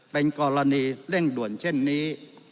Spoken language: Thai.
เป็นกรณีเร่งด่วนเช่นนี้